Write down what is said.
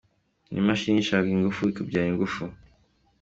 Ni Imashini yishakamo ingufu ikabyara ingufu.